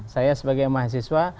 saya sebagai mahasiswa